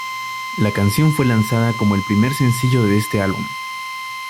La canción fue lanzada como el primer sencillo de este álbum.